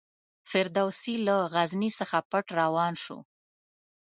فردوسي له غزني څخه پټ روان شو.